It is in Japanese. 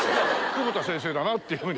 久保田先生だなっていうふうに。